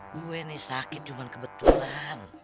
gue ini sakit cuma kebetulan